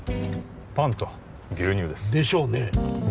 パンと牛乳ですでしょうねえ